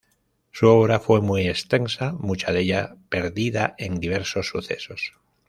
Su obra fue muy extensa, mucha de ella perdida en diversos sucesos.